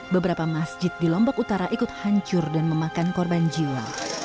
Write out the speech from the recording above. beberapa masjid di lombok utara ikut hancur dan memakan korban jiwa